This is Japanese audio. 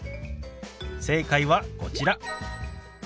正解はこちら。